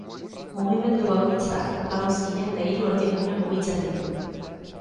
Mugimendu bakoitzak, lau izkina eta hiru erdigune mugitzen ditu.